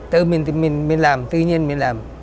tự mình làm tự nhiên mình làm